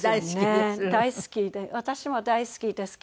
大好きです。